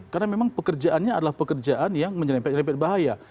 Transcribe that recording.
karena memang pekerjaannya adalah pekerjaan yang menyelempet nyelempet bahaya